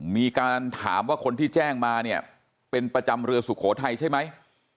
มีการถามว่าคนที่แจ้งมาเนี่ยเป็นประจำเรือสุโขทัยใช่ไหม